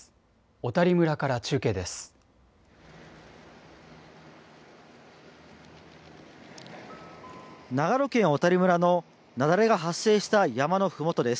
小谷村から中継です。